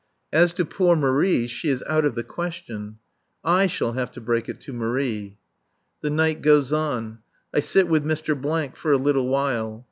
As to poor Marie, she is out of the question. I shall have to break it to Marie. The night goes on. I sit with Mr. for a little while.